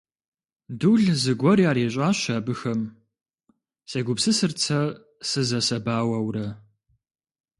«Дул зыгуэр ярищӀащ абыхэм», – сегупсысырт сэ сызэсэбауэурэ.